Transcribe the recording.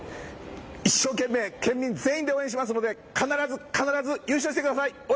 一生懸命、県民全員で応援しますので必ず必ず、優勝してください。